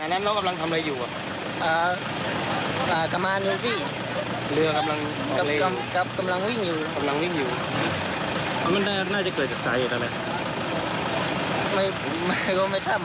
แล้วเรือที่เราทำงานอยู่จมไหม